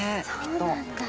そうなんだ。